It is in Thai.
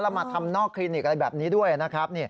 แล้วมาทำนอกคลินิกอะไรแบบนี้ด้วยนะครับ